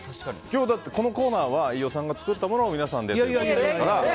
このコーナーは飯尾さんが作ったものを皆さんでということですから。